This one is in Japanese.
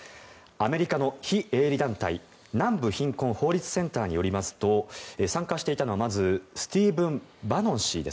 アメリカの非営利団体南部貧困法律センターによると参加していたのはまず、スティーブン・バノン氏。